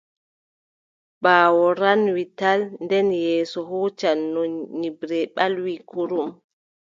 Ɓaawo ranwi tal nde yeeso huucanno nyiɓre ɓalwi kurum.